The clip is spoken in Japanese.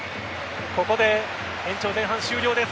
ここで延長前半終了です。